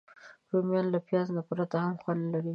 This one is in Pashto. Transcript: رومیان له پیاز پرته هم خوند لري